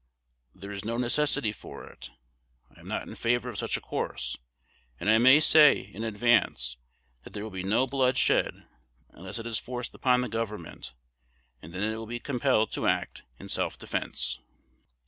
_There is no necessity for it. I am not in favor of such a course: and I may say, in advance, that there will be no blood shed unless it be forced upon the Government; and then it will be compelled to act in self defence.